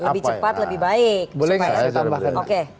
lebih cepat lebih baik